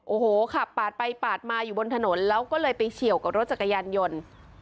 โอ้โหขับปาดไปปาดมาอยู่บนถนนแล้วก็เลยไปเฉียวกับรถจักรยานยนต์